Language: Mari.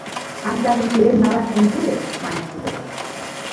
— Азажым пелен налаш гын веле? — манеш тудыжо.